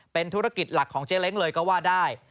เป็นธุรกิจหลักของเจ๊เล้งเลยก็ว่าได้